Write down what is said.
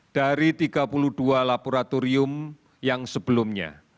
dari tiga puluh dua laboratorium yang sebelumnya